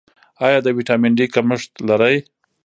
ایا د ویټامین ډي کمښت لرئ؟